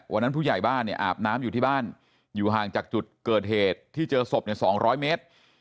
วันนั้นผู้ใหญ่บ้านเนี่ยอาบน้ำอยู่ที่บ้านอยู่ห่างจากจุดเกิดเหตุที่เจอศพใน๒๐๐เมตร